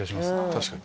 確かに。